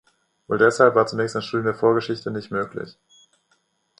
Wohl deshalb war zunächst ein Studium der Vorgeschichte nicht möglich.